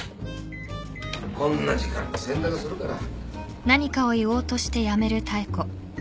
こんな時間に洗濯するから。